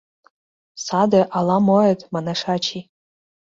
— Саде «ала-моэт», — манеш ачий.